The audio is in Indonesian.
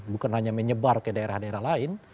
bukan hanya menyebar ke daerah daerah lain